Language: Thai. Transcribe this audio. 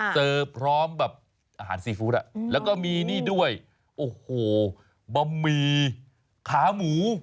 พร้อมแบบอาหารซีฟู้ดแล้วก็มีนี่ด้วยโอ้โหบะหมี่ขาหมู